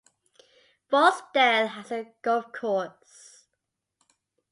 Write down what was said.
Forrestdale has a golf course.